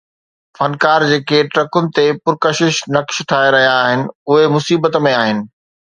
فنڪار جيڪي ٽرڪن تي پرڪشش نقش ٺاهي رهيا آهن، اهي مصيبت ۾ آهن